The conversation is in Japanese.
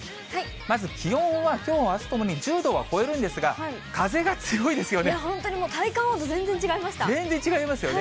まず気温は、きょう、あすともに１０度は超えるんですが、風が強本当にもう、体感温度全然違全然違いますよね。